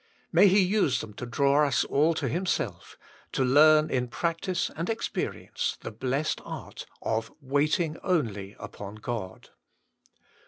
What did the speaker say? May He use them to draw us all to Himself, to learn in practice and experi ence the blessed art of Watting only upon God.